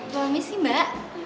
boleh misi mbak